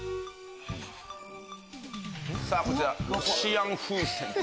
こちらロシアン風船。